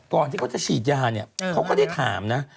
ที่เขาจะฉีดยาเนี่ยเขาก็ได้ถามนะ